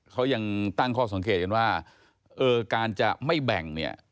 เขายังตั้งข้อสังเกตกันว่าเออการจะไม่แบ่งเนี่ย